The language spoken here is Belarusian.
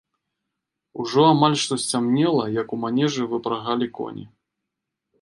Ужо амаль што сцямнела, як у манежы выпрагалі коні.